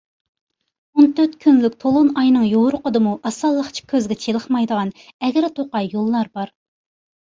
ئون تۆت كۈنلۈك تولۇن ئاينىڭ يورۇقىدىمۇ ئاسانلىقچە كۆزگە چېلىقمايدىغان ئەگىر توقاي يوللار بار.